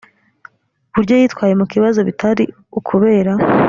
buryo yitwaye mu kibazo bitari ukubera